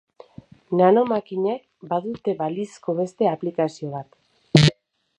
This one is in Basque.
Nanomakinek badute balizko beste aplikazio bat.